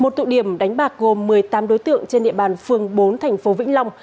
một tụ điểm đánh bạc gồm một mươi tám đối tượng trên địa bàn phường bốn thành phố vĩnh long